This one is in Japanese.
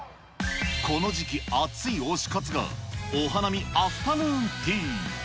この時期、熱い推し活がお花見アフタヌーンティー。